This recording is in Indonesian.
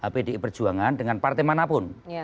pdi perjuangan dengan partai manapun